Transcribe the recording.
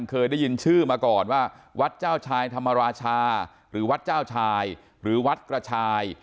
เคยได้ยินชื่อมาก่อนว่าวัดเจ้าชายธรรมราชาหรือวัดเจ้าชายหรือวัดกระชาย